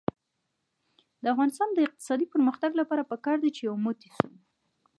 د افغانستان د اقتصادي پرمختګ لپاره پکار ده چې یو موټی شو.